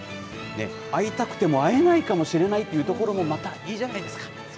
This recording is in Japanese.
会いたくても会えないかもしれないというところもまたいいじゃないですか。